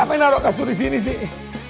aduh siapa yang taruh kasur disini sih